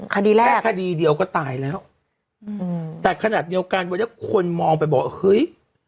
คดีแรกแค่คดีเดียวก็ตายแล้วอืมแต่ขนาดเดียวกันวันนี้คนมองไปบอกเฮ้ย